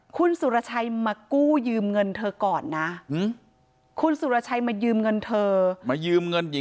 คุณสุรชัยมากู้ยืมเงินเธอก่อนนะคุณสุรชัยมายืมเงินเธอ